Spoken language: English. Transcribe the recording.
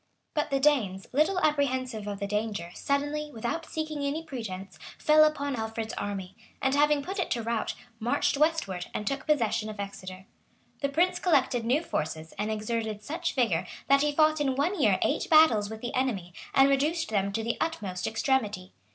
] But the Danes, little apprehensive of the danger suddenly, without seeking any pretence, fell upon Alfred's army; and having put it to rout, marched westward, and took possession of Exeter. The prince collected new forces, and exerted such vigor, that he fought in one year eight battles with the enemy,[*] and reduced them to the utmost extremity.